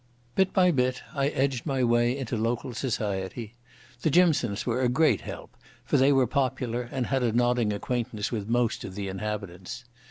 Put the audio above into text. Bit by bit I edged my way into local society. The Jimsons were a great help, for they were popular and had a nodding acquaintance with most of the inhabitants.